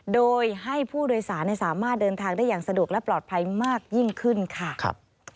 โดยให้ผู้โดยสารสามารถเดินทางได้อย่างสะดวกและปลอดภัยมากยิ่งขึ้นค่ะ